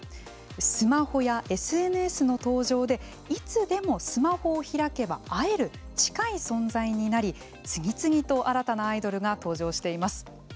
スマホやＳＮＳの登場でいつでもスマホを開けば会える近い存在になり次々と新たなアイドルが登場しています。